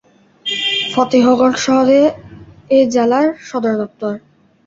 ফতেহগড় শহর এ জেলার সদরদপ্তর।